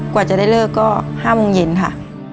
กว่าจะได้เลิกก็๕โมงเย็นค่ะ